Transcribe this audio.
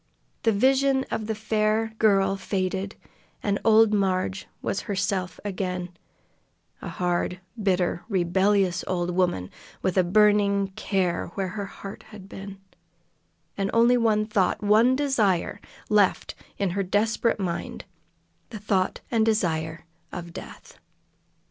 The vision of the fair girl faded, and old Marg was herself again, a hard, bitter, rebellious old woman, with a burning care where her heart had been, and only one thought, one desire, left in her desperate mind the thought and the desire of death.